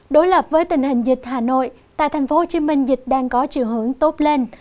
đối lập với tình hình dịch hà nội tại tp hcm dịch đang có triều hưởng tốt lên